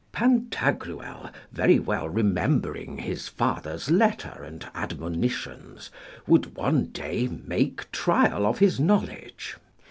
Pantagruel, very well remembering his father's letter and admonitions, would one day make trial of his knowledge.